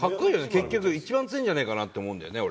結局一番強えんじゃねえかなって思うんだよね俺。